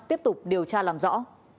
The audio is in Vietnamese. tiếp tục điều tra làm rõ